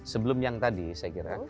sebelum yang tadi saya kira